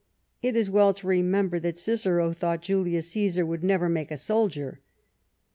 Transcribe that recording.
'' It is well to remember that Cicero thought Julius Caesar would never make a soldier.